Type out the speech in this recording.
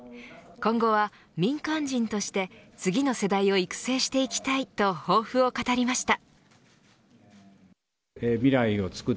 今後は、民間人として次の世代を育成していきたいと抱負を語りました。